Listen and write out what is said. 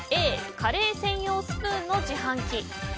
Ａ、カレー専用スプーンの自販機。